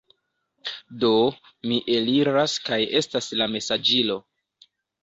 Do, mi eliras kaj estas la mesaĝilo